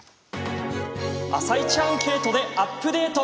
「あさイチアンケートでアップデート！」